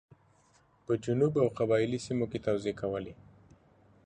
په جنوب او قبایلي سیمو کې توزېع کولې.